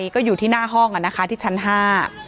ก็อยู่ที่หน้าห้องนะคะที่ชั้น๕